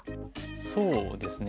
そうですね